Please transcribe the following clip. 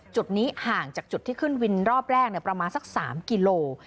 จุดนี้ห่างจากจุดที่ขึ้นวินรอบแรกประมาณสัก๓กิโล